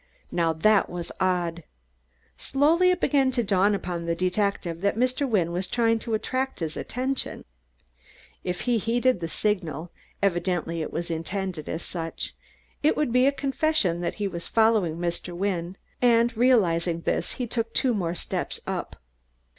Now that was odd. Slowly it began to dawn upon the detective that Mr. Wynne was trying to attract his attention. If he heeded the signal evidently it was intended as such it would be a confession that he was following Mr. Wynne, and realizing this he took two more steps up.